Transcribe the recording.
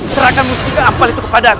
serahkan mustika ampal itu kepada aku